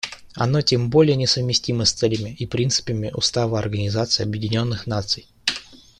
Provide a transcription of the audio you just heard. Оно тем более несовместимо с целями и принципами Устава Организации Объединенных Наций.